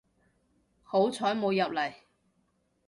好彩冇入嚟